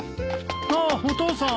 あお父さん。